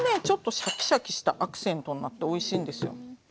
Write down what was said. ちょっとシャキシャキしたアクセントになっておいしいんですよ。